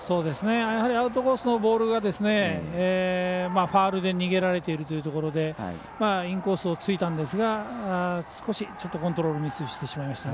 アウトコースのボールがファウルで逃げられているというところでインコースをついたんですが少し、コントロールミスしてしまいました。